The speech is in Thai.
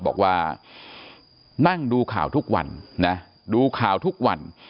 บอกว่านั่งดูข่าวทุกวันนะดูข่าวทุกวัน